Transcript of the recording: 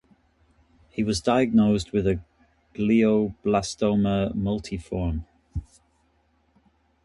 He was diagnosed with a glioblastoma multiforme.